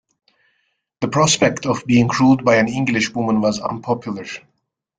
The prospect of being ruled by an English woman was unpopular.